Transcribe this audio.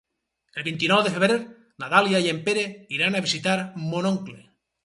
El vint-i-nou de febrer na Dàlia i en Pere iran a visitar mon oncle.